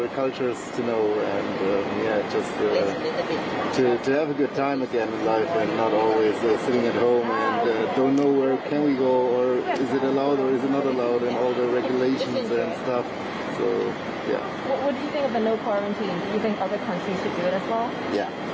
จริงค่ะมีความหมายในวันเตรียมความพร้อมมากมันแรงหว่างแบบนี้